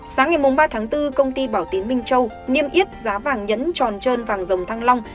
sáng ngày ba tháng bốn công ty bảo tín minh châu niêm yết giá vàng nhẫn tròn trơn vàng dòng thăng long